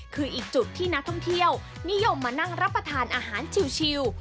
คืออีกจุดที่นักท่องเที่ยวนิยมมานั่งรับประทานอาหารชิว